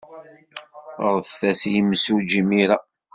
Ɣret-as-d i yemsujji imir-a.